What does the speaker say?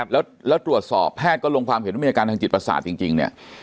แล้วตรวจสอบแพทย์ก็ลงความเห็นว่ามีอาการทางจิตประสาทจริงเนี่ย